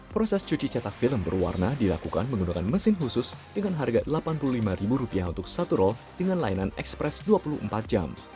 proses cuci cetak film berwarna dilakukan menggunakan mesin khusus dengan harga rp delapan puluh lima untuk satu roll dengan layanan ekspres dua puluh empat jam